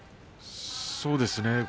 そうですね。